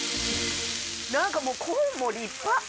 何かもうコーンも立派！